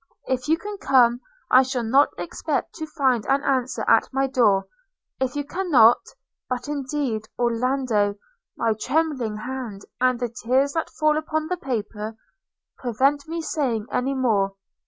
If you can come, I shall not expect to find an answer at my door. – If you cannot – but, indeed, Orlando, my trembling hand, and the tears that fall upon the paper, prevent my saying any more.